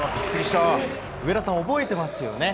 上田さん、覚えてますよね。